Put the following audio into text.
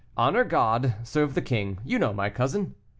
'Honor God, serve the king,' you know, my cousin."